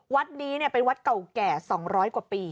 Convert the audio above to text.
วัดนี้เป็นวัดเก่าแก่๒๐๐กว่าปี